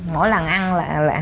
mỗi lần ăn là